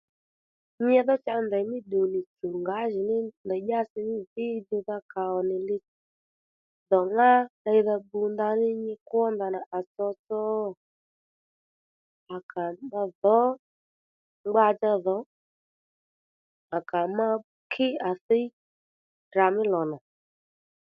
Nyi dhó cha ndèymí ddùwnì tsùw ngǎjìní ndèy dyási dhí njuwdha kà ò nì li dho ŋá ddeydha bbu ndaní fú li kwó ndanà à tsotso à kà ma dhǒ ngba dja dho à kà ma kí à thíy Ddrà mí lò nà